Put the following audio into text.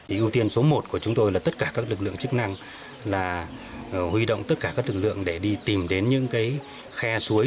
ưu tiên số một của chúng tôi là tất cả các lực lượng chức năng là huy động tất cả các lực lượng để đi tìm đến những khe suối